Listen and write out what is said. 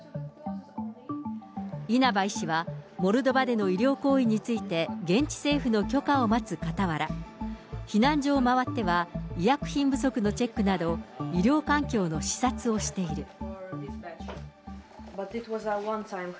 稲葉医師は、モルドバでの医療行為について現地政府の許可を待つかたわら、避難所を回っては、医薬品不足のチェックなど、医療環境の視察をしている。